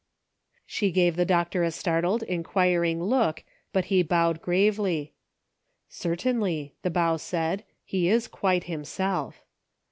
"*" She gave the doctor a startled, inquiring look, but he bowed gravely. "Certainly," the bow said, " he is quite himself."